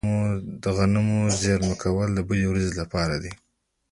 د غنمو زیرمه کول د بدې ورځې لپاره دي.